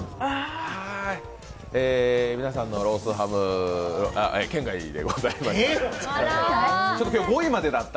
みなさんのロースハム、圏外でございました。